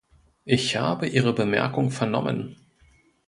Ich habe Ihre Bemerkung vernommen.